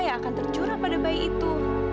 ya akan terjura pada bayi itu